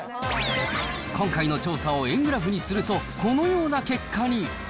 今回の調査を円グラフにすると、このような結果に。